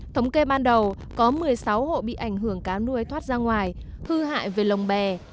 thống kê ban đầu có một mươi sáu hộ bị ảnh hưởng cá nuôi thoát ra ngoài hư hại về lồng bè